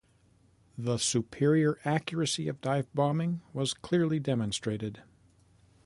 The superior accuracy of dive bombing was clearly demonstrated.